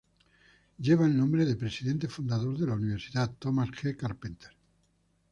Lleva el nombre de presidente fundador de la universidad, Thomas G. Carpenter.